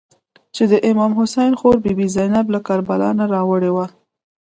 چې د امام حسین خور بي بي زینب له کربلا نه راوړې وه.